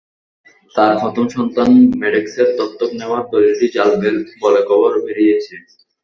তাঁর প্রথম সন্তান ম্যাডক্সের দত্তক নেওয়ার দলিলটি জাল বলে খবর বেরিয়েছে।